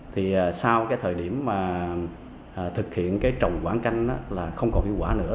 thì sau thời điểm thực hiện trồng quảng canh không còn hiệu quả nữa